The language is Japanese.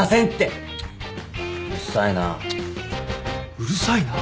うるさいな？